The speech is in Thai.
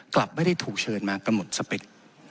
กลับไม่ได้ถูกเชิญมากำหนดสเปค